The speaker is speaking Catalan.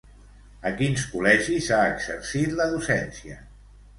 A quins col·legis ha exercit la docència?